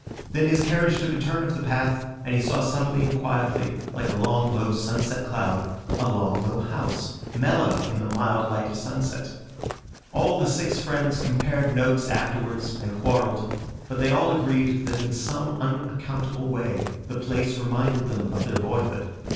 Then his carriage took a turn of the path, and he saw suddenly and quietly, like a long, low, sunset cloud, a long, low house, mellow in the mild light of sunset. All the six friends compared notes afterwards and quarrelled; but they all agreed that in some unaccountable way the place reminded them of their boyhood.